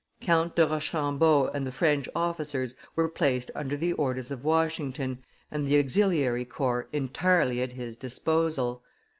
Count de Rochambeau and the French officers were placed under the orders of Washington, and the auxiliary corps entirely at his disposal.